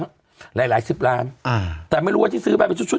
หลายหลายสิบล้านอ่าแต่ไม่รู้ว่าที่ซื้อไปเป็นชุดชุด